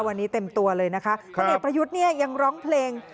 วันนี้เต็มตัวเลยนะคะพลเอกประยุทธ์เนี่ยยังร้องเพลง